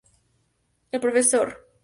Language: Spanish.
El Profesor Fr.